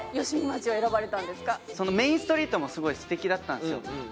メインストリートもすごい素敵だったんですよ